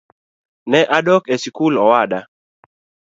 Ne adok e sikul owada